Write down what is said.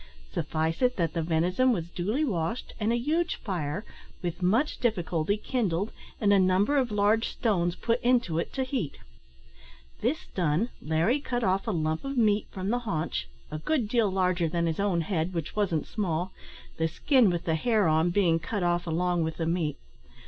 Suffice it that the venison was duly washed, and a huge fire, with much difficulty, kindled, and a number of large stones put into it to heat. This done, Larry cut off a lump of meat from the haunch a good deal larger than his own head, which wasn't small the skin with the hair on being cut off along with the meat.